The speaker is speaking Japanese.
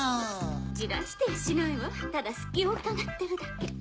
じらしてやしないわただ隙をうかがってるだけ。